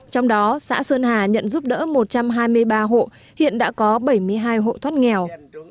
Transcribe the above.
trong đó xã sơn hà nhận giúp đỡ một trăm hai mươi ba hộ hiện đã có bảy mươi hai hộ thoát nghèo